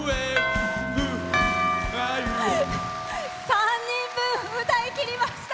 ３人分歌いきりました。